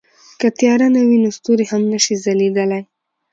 که تیاره نه وي نو ستوري هم نه شي ځلېدلی.